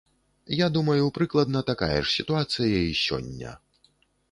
Я думаю, прыкладна такая ж сітуацыя і сёння.